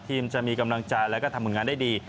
ทีมจะมีกำลังจ่ายแล้วก็ทำบุญงานได้ดี